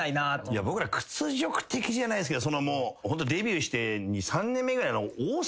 僕ら屈辱的じゃないっすけど。